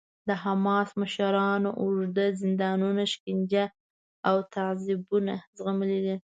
د حماس مشرانو اوږده زندانونه، شکنجه او تعذیبونه زغملي دي.